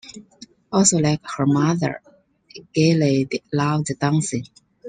Also like her mother, Gelede loved dancing.